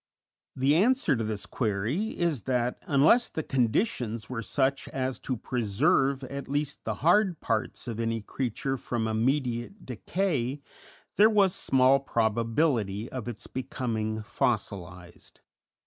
The answer to this query is that, unless the conditions were such as to preserve at least the hard parts of any creature from immediate decay, there was small probability of its becoming fossilized.